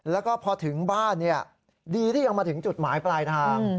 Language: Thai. แล้วก็พอถึงบ้านดีที่ยังมาถึงจุดหมายปลายทาง